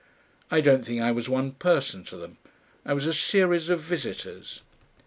I don't think I was one person to them; I was a series of visitors.